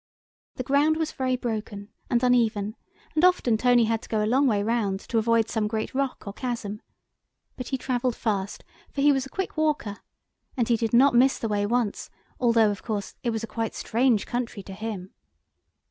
The ground was very broken and uneven, and often Tony had to go a long way round to avoid some great rock or chasm. But he travelled fast, for he was a quick walker, and he did not miss the way once, although, of course, it was quite a strange country to him.